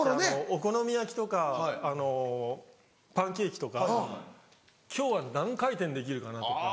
お好み焼きとかあのパンケーキとか今日は何回転できるかなとか。